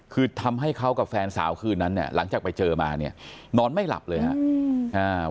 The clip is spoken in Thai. คือทำให้เขากับแฟนสาวคืนนั้นเนี่ยหลังจากไปเจอมาเนี่ยนอนไม่หลับเลยครับ